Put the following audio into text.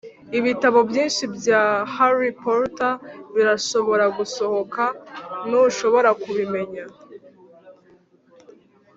ibitabo byinshi bya harry potter birashobora gusohoka, ntushobora kubimenya.